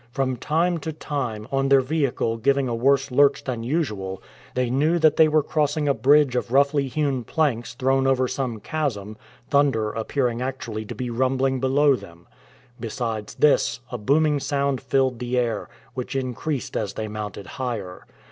From time to time, on their vehicle giving a worse lurch than usual, they knew that they were crossing a bridge of roughly hewn planks thrown over some chasm, thunder appearing actually to be rumbling below them. Besides this, a booming sound filled the air, which increased as they mounted higher.